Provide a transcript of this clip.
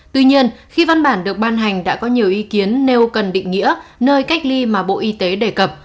tuy nhiên khi văn bản được ban hành đã có nhiều ý kiến nêu cần định nghĩa nơi cách ly mà bộ y tế đề cập